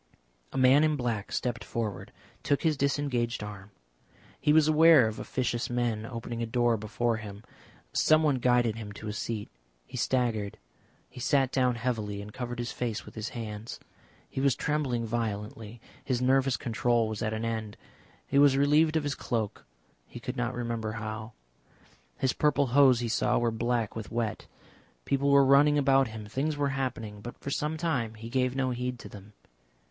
A man in black stepped forward, took his disengaged arm. He was aware of officious men opening a door before him. Someone guided him to a seat. He staggered. He sat down heavily and covered his face with his hands; he was trembling violently, his nervous control was at an end. He was relieved of his cloak, he could not remember how; his purple hose he saw were black with wet. People were running about him, things were happening, but for some time he gave no heed to them.